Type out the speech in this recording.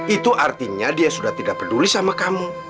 itu artinya dia sudah tidak peduli sama kamu